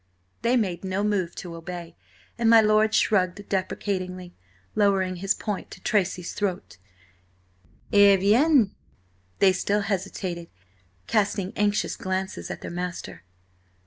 They made no move to obey, and my lord shrugged deprecatingly, lowering his point to Tracy's throat. "Eh bien!" They still hesitated, casting anxious glances at their master.